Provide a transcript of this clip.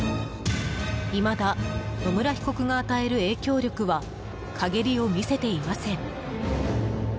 未だ、野村被告が与える影響力は陰りを見せていません。